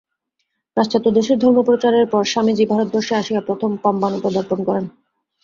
পাশ্চাত্যদেশে ধর্মপ্রচারের পর স্বামীজী ভারতবর্ষে আসিয়া প্রথম পান্বানে পদার্পণ করেন।